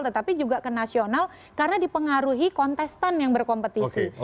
tetapi juga ke nasional karena dipengaruhi kontestan yang berkompetisi